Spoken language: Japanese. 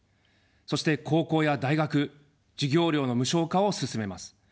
そして高校や大学、授業料の無償化を進めます。